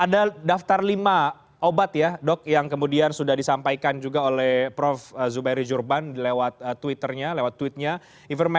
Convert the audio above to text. ada daftar lima obat yang kemudian sudah disampaikan oleh prof zubairi jurubur